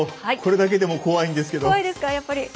これだけでも怖いんですけど。